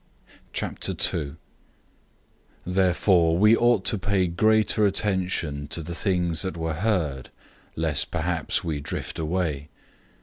002:001 Therefore we ought to pay greater attention to the things that were heard, lest perhaps we drift away.